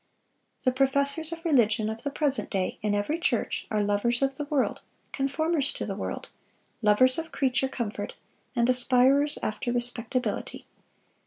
The professors of religion of the present day, in every church, are lovers of the world, conformers to the world, lovers of creature comfort, and aspirers after respectability.